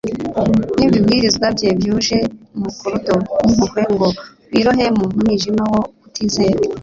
n'ibibwirizwa bye byuje mukurudo n'impuhwe ngo wirohe mu mwijima wo kutizera